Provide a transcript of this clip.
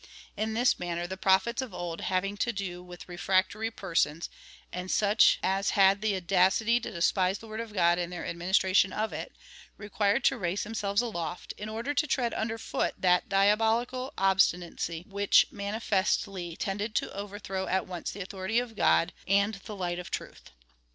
In this manner the Prophets of old, having to do with refractory persons,^ and such as had the audacity to despise the word of God in their administration of it, required to raise themselves aloft, in order to tread under foot that diabolical obstinacy, which manifestly tended to overthrow at once the authority of God and the light of truth.